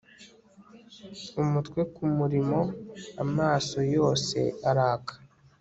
umutwe kumurimo, amaso yose araka